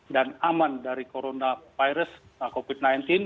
dan aman dari coronavirus covid sembilan belas